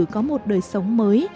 có một đời sống mới